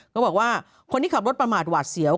เขาบอกว่าคนที่ขับรถประมาทหวาดเสียว